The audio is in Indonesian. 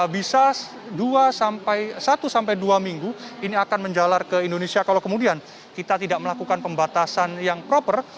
bisa satu sampai dua minggu ini akan menjalar ke indonesia kalau kemudian kita tidak melakukan pembatasan yang proper